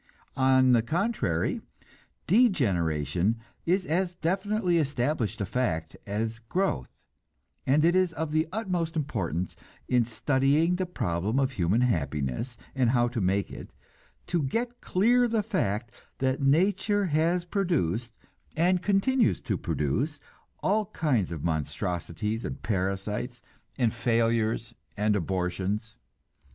On the contrary, degeneration is as definitely established a fact as growth, and it is of the utmost importance, in studying the problem of human happiness and how to make it, to get clear the fact that nature has produced, and continues to produce, all kinds of monstrosities and parasites and failures and abortions.